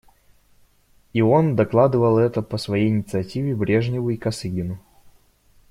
И он докладывал это по своей инициативе Брежневу и Косыгину.